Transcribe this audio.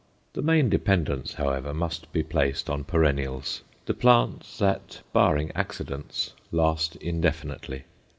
The main dependence, however, must be placed on perennials the plants that, barring accidents, last indefinitely.